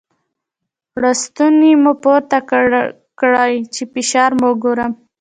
ړستونی مو پورته کړی چې فشار مو وګورم.